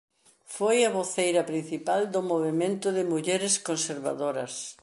Foi a voceira principal do movemento de mulleres conservadoras.